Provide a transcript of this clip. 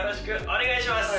お願いします